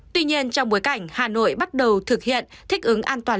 tuy nhiên trong bối cảnh hà nội bắt đầu thực hiện thích ứng an toàn